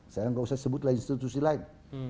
saya nggak usah sebutlah institusi lain